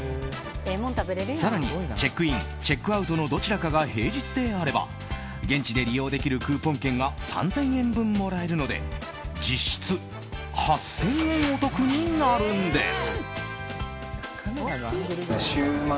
更にチェックイン・チェックアウトのどちらかが平日であれば現地で利用できるクーポン券が３０００円分もらえるので実質、８０００円お得になるんです。